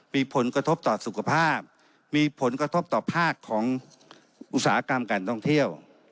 มีผลกระทบต่อสุขภาพมีผลกระทบต่อภาคของอุตสาหกรรมการท่องเที่ยว